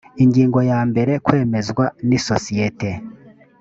ingingo ya mbere kwemezwa n isosiyete